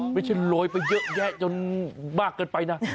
ไม่ใช่โรยไปเยอะแยะจนมากเกินไปนะ